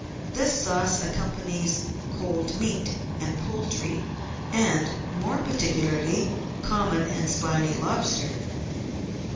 This sauce accompanies cold meat and poultry, and, more particularly, common and spiny lobster.